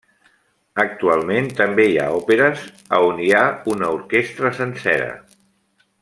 Actualment també hi ha òperes a on hi ha una orquestra sencera.